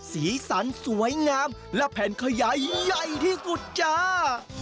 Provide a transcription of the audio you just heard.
สีสันสวยงามและแผ่นขยายใหญ่ที่สุดจ้า